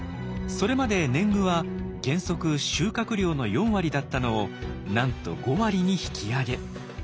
それまで年貢は原則収穫量の４割だったのをなんと５割に引き上げ。